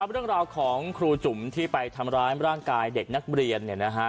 เรื่องราวของครูจุ๋มที่ไปทำร้ายร่างกายเด็กนักเรียน